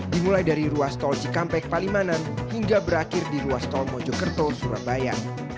dimulai dari ruas tol cikampek palimanan hingga berakhir di ruas tol mojokerto surabaya